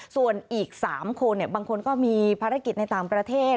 ส่วนอีก๓คนบางคนก็มีภารกิจในต่างประเทศ